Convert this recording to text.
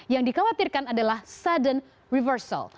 yang dikhawatirkan adalah sudden reversal